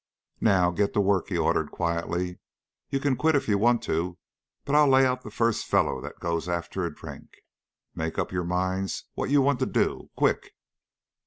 "Now get to work," he ordered, quietly. "You can quit if you want to, but I'll lay out the first fellow that goes after a drink. Make up your minds what you want to do. Quick!"